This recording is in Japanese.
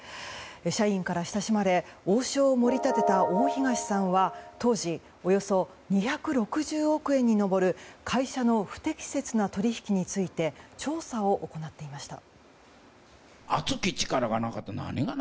社員から親しまれ王将を盛り立てた大東さんは当時、およそ２６０億円に上る会社の不適切な取引について調査を行っていました。